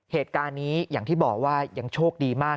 เหตุการณ์นี้อย่างที่บอกว่ายังโชคดีมาก